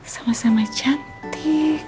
sama sama cantik